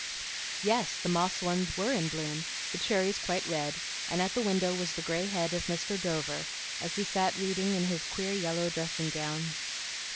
Yes, the "moss ones" were in bloom, the cherries quite red, and at the window was the gray head of Mr. Dover, as he sat reading in his queer yellow dressing gown.